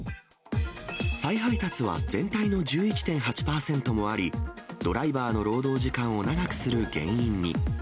再配達は全体の１１．８％もあり、ドライバーの労働時間を長くする原因に。